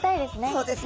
そうですね。